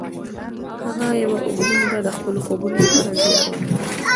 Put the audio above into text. هغه یوه اوږده موده د خپلو خوبونو لپاره زیار وکیښ